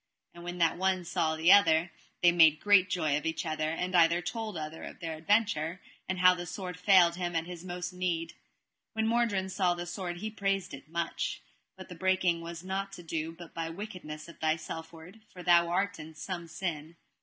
And when that one saw the other they made great joy of other, and either told other of their adventure, and how the sword failed him at his most need. When Mordrains saw the sword he praised it much: But the breaking was not to do but by wickedness of thy selfward, for thou art in some sin.